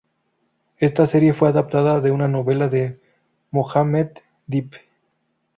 Esta serie fue adaptada de una novela de Mohammed Dib.